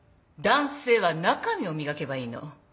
男性は中身を磨けばいいの。